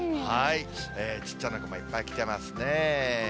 ちっちゃな子もいっぱい来てますね。